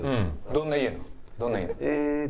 「どんな家」？